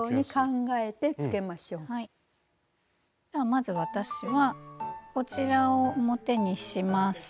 まず私はこちらを表にします。